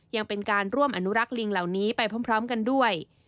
ยังเป็นการร่วมอนุรักษ์ลิงเหล่านี้ไปพร้อมกันด้วย